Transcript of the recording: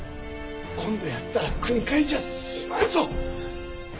今度やったら訓戒じゃ済まんぞ！